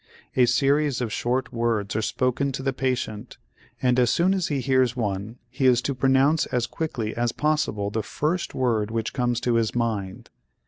A series of short words are spoken to the patient and, as soon as he hears one, he is to pronounce as quickly as possible the first word which comes to his mind.